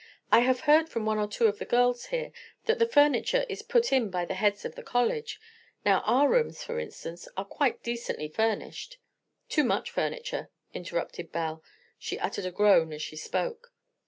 "I have heard from one or two of the girls here that the furniture is put in by the heads of the college. Now, our rooms, for instance, are quite decently furnished." "Too much furniture," interrupted Belle. She uttered a groan as she spoke.